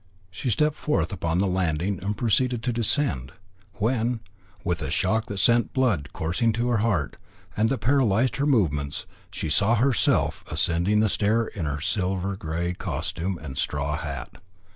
She stepped forth upon the landing and proceeded to descend, when with a shock that sent the blood coursing to her heart, and that paralysed her movements she saw herself ascending the stair in her silver grey costume and straw hat.